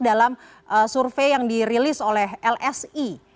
dalam survei yang dirilis oleh lsi